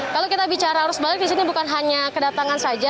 kalau kita bicara arus balik di sini bukan hanya kedatangan saja